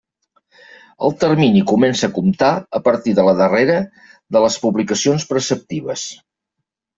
El termini comença a comptar a partir de la darrera de les publicacions preceptives.